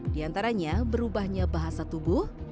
di antaranya berubahnya bahasa tubuh